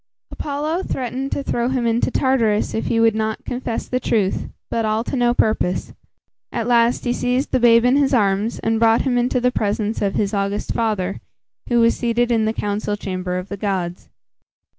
Apollo threatened to throw him into Tartarus if he would not confess the truth, but all to no purpose. At last, he seized the babe in his arms, and brought him into the presence of his august father, who was seated in the council chamber of the gods.